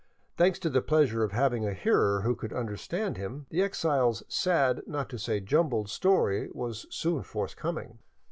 Thanks to the pleasure of having a hearer who could understand him, the exile's sad, not to say jumbled, story was soon forthcoming.